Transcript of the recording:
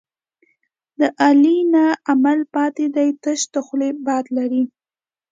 د علي نه عمل پاتې دی، تش د خولې باد لري.